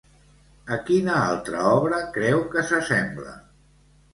A quina altra obra creu que s'assembla?